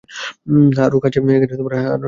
আরো কাছে আসেন।